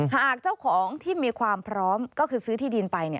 หากเจ้าของที่มีความพร้อมก็คือซื้อที่ดินไป